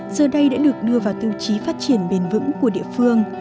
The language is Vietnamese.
giờ đây đã được đưa vào tiêu chí phát triển bền vững của địa phương